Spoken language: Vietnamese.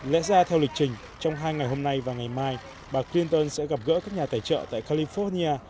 lẽ ra theo lịch trình trong hai ngày hôm nay và ngày mai bà clinton sẽ gặp gỡ các nhà tài trợ tại california